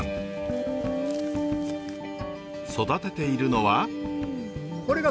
育てているのは。